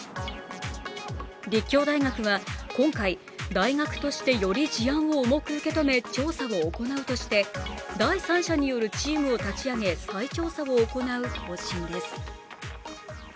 立教大学は今回、大学としてより事案を重く受け止め、調査を行うとしていて第三者によるチームを立ち上げ再調査を行う方針です。